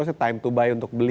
rasanya time to buy untuk beli